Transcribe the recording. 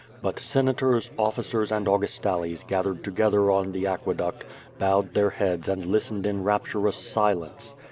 But senators, oflicers, and Au gustales gathered together on the aqueduct, bowed their heads and listened in rapturous silence.